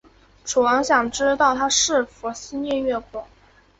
楚王想知道他是否思念越国。